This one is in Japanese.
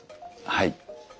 はい。